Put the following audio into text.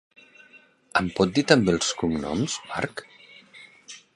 Em pot dir també els cognoms, Marc?